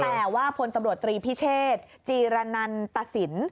แต่ว่าพลตำรวจตรีพิเชษจีรนันตสิน